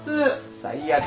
最悪。